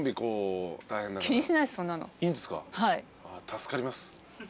助かります。